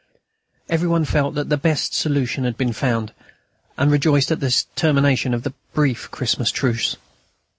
Everyone felt that the best solution had been found, and rejoiced at this termination of the brief Christmas truce.